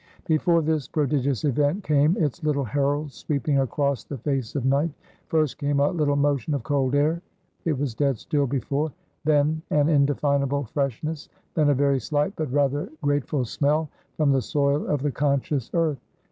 Before this prodigious event came its little heralds sweeping across the face of night. First came a little motion of cold air it was dead still before; then an undefinable freshness; then a very slight but rather grateful smell from the soil of the conscious earth.